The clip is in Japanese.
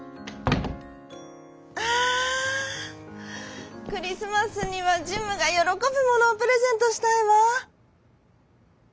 「あクリスマスにはジムがよろこぶものをプレゼントしたいわ！」。